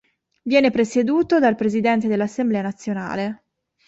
Viene presieduto dal presidente dell'Assemblea nazionale.